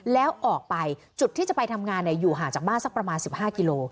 แล้วออกไปจุดที่จะไปทำงานอยู่ห่างจากบ้านสักประมาณ๑๕กิโล